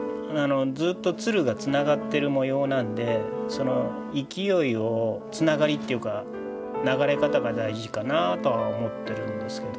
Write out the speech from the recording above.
ずっと蔓がつながってる模様なんで勢いをつながりというか流れ方が大事かなとは思ってるんですけど。